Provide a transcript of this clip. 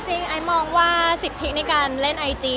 ไอซ์มองว่าสิทธิในการเล่นไอจี